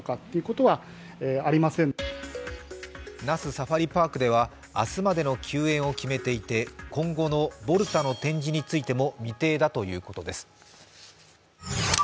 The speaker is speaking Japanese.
那須サファリパークでは明日までの休園を決めていて今後のボルタの展示についても未定だということです。